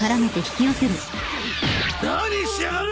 何しやがる！